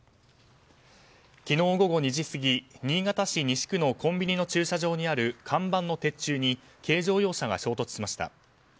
昨日午後２時過ぎ、新潟市西区のコンビニの駐車場にある看板の鉄柱に軽乗用車が衝突しました。